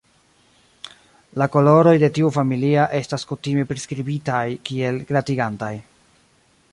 La koloroj de tiu familia estas kutime priskribitaj kiel "glatigantaj".